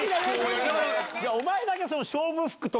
お前だけ。